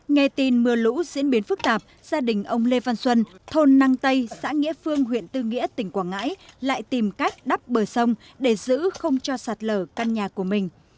nghe tin mưa lũ diễn biến phức tạp gia đình ông lê văn xuân thôn năng tây xã nghĩa phương huyện tư nghĩa tỉnh quảng ngãi lại tìm cách đắp bờ sông để giữ không cho sạt lở căn nhà của mình